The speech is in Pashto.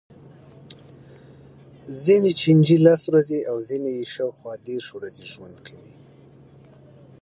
ځینې چینجي لس ورځې او ځینې یې شاوخوا دېرش ورځې ژوند کوي.